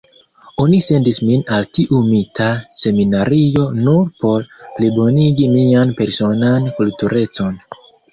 Oni sendis min al tiu mita seminario nur por plibonigi mian personan kulturecon.